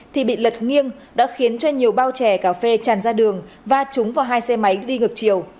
thì bị lật nghiêng đã khiến cho nhiều bao chè cà phê tràn ra đường và trúng vào hai xe máy đi ngược chiều